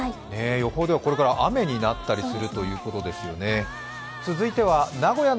予報では、これから雨になったりするということですよね。